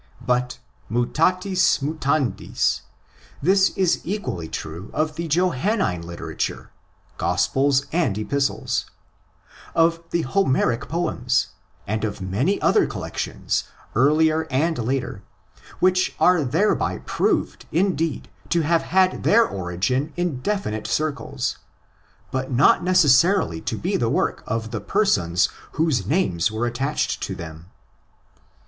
But mutatis mutandis this is equally true of the Johannine literature (Gospels and Epistles), of the Homeric poems, and of many other collections, earlier and later, which are thereby proved indeed to have had their origin in definite circles, but not necessarily to be the work of the persons whose names were attached to them.